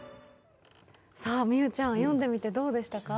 美羽ちゃん、読んでみてどうでしたか？